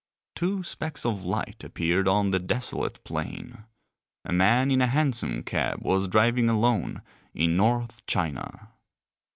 Two specks of light appeared on the desolate plain; a man in a hansom cab was driving alone in North China.